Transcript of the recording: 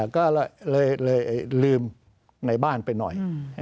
ก็เลยลืมในบ้านไปหน่อย